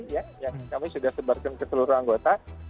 yang kami sudah sebarkan ke seluruh anggota